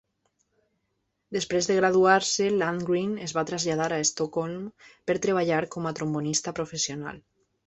Després de graduar-se, Landgren es va traslladar a Estocolm per treballar com a trombonista professional.